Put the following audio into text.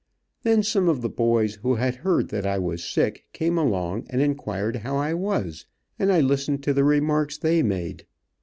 Then, some of the boys who had heard that I was sick, came along and inquired how I was, and I listened to the remarks they made.